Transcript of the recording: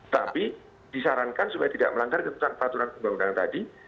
tapi disarankan supaya tidak melanggar ketentuan peraturan pembangunan tadi